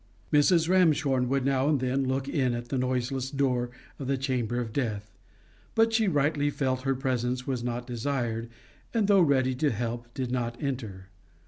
Mrs. Ramshorn would now and then look in at the noiseless door of the chamber of death, but she rightly felt her presence was not desired, and though ready to help, did not enter.